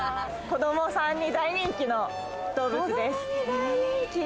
子供さんに大人気の動物です。